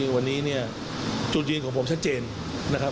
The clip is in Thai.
วันนี้เนี่ยจุดยืนของผมชัดเจนนะครับ